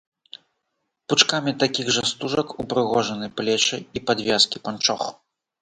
Пучкамі такіх жа стужак упрыгожаны плечы і падвязкі панчох.